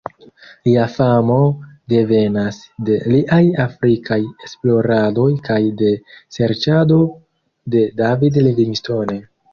Lia famo devenas de liaj afrikaj esploradoj kaj de serĉado de David Livingstone.